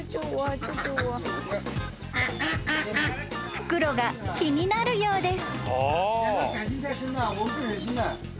［袋が気になるようです］